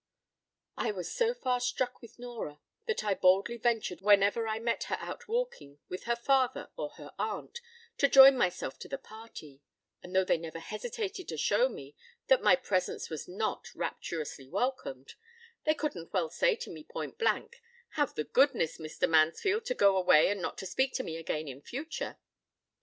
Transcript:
I was so far struck with Nora, that I boldly ventured whenever I met her out walking with her father or her aunt, to join myself to the party: and though they never hesitated to show me that my presence was not rapturously welcomed, they couldn't well say to me point blank, "Have the goodness, Mr. Mansfield, to go away and not to speak to me again in future."